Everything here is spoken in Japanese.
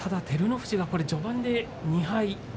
照ノ富士が序盤で２敗。